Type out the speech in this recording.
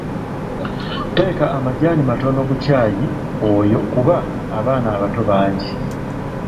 Teeka amajjaani matono ku ccaai oyo kuba abaana abato bangi.